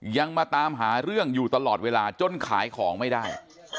ยังมาตามหาเรื่องอยู่ตลอดเวลาจนขายของไม่ได้